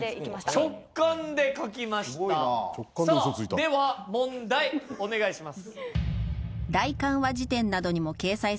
では問題お願いします。